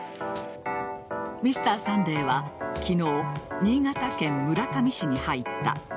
「Ｍｒ．サンデー」は昨日新潟県村上市に入った。